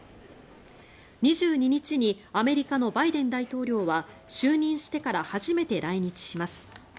２２日にアメリカのバイデン大統領は就任してから初めて来日します。